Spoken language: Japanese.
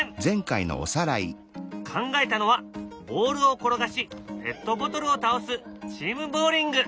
考えたのはボールを転がしペットボトルを倒す「チームボウリング」。